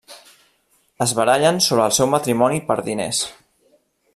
Es barallen sobre el seu matrimoni per diners.